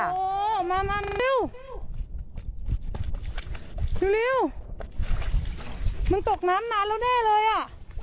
โอ้โหมามามึงเร็วมึงตกน้ำนานแล้วแน่เลยอ่ะ